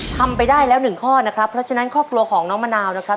ทำไปได้แล้วหนึ่งข้อนะครับเพราะฉะนั้นครอบครัวของน้องมะนาวนะครับ